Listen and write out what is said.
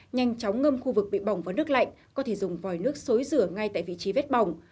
nhanh chóng ngâm khu vực bị bỏng và nước lạnh có thể dùng vòi nước xối rửa ngay tại vị trí vết bỏng